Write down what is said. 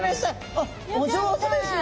あっお上手ですね。